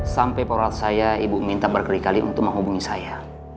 sampai porat saya ibu minta berkali kali untuk menghubungi saya